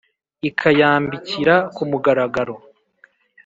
Ikayambikira ku mugaragaro